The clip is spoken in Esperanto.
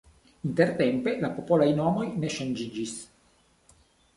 Intertempe la popolaj nomoj ne ŝanĝiĝis.